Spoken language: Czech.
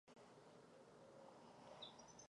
Kromě toho studoval na Vysoké škole zemědělské v Halle.